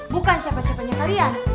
bukan siapa siapanya kalian